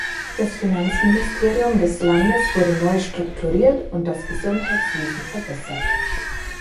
Das Finanzministerium des Landes wurde neu strukturiert und das Gesundheitswesen verbessert.